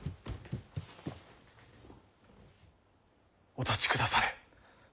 お立ちくだされ。